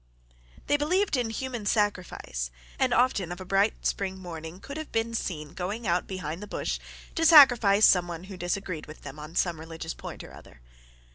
] They believed in human sacrifice, and often of a bright spring morning could have been seen going out behind the bush to sacrifice some one who disagreed with them on some religious point or other.